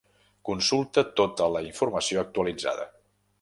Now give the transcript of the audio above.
Consulta tota la informació actualitzada.